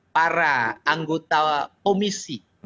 para anggota komisi